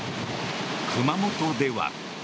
熊本では。